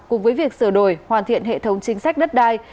cùng với việc sửa đổi hoàn thiện hệ thống chính sách đất đai